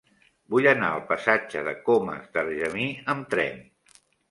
Vull anar al passatge de Comas d'Argemí amb tren.